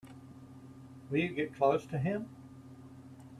Will you get close to him?